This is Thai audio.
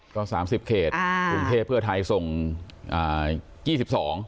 ก็สามสิบเขตอ่ากรุงเทพเพื่อไทยส่งอ่ายี่สิบสอง